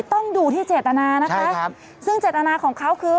ต้องดูที่เจตนานะคะซึ่งเจตนาของเขาคือ